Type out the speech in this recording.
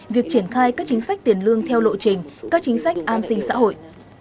việc triển khai các chính sách tiền lương theo lộ trình các chính sách an sinh xã hội